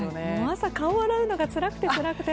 朝、顔を洗うのがつらくてつらくて。